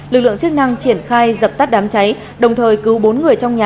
lực lượng chức năng triển khai dập tắt đám cháy đồng thời cứu bốn người trong nhà